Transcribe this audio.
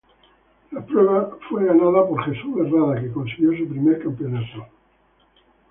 La prueba fue ganada por Jesús Herrada, que consiguió su primer campeonato.